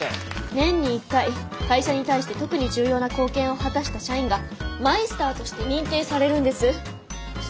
年に一回会社に対して特に重要な貢献を果たした社員がマイスターとして認定されるんです。